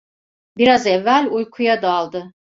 Biraz evvel uykuya daldı.